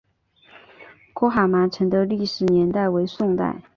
郭蛤蟆城的历史年代为宋代。